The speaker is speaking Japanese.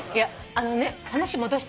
あのね話戻して。